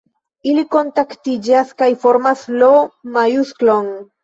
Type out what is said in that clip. Ili kontaktiĝas kaj formas L-majusklon.